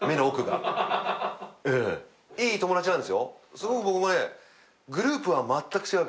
すごい僕もね。